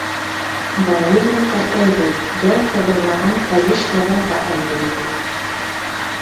Балу ныҡ ҡартайҙы, яй ҡыбырлаған тайыш табанға әүерелде.